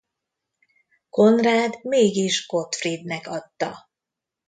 Konrád mégis Gottfriednek adta.